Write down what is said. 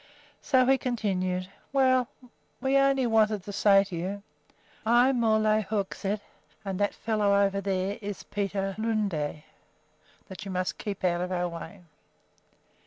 So he continued: "Well, we only wanted to say to you I'm Ole Hoegseth and that fellow over there is Peter Lunde that you must keep out of our way.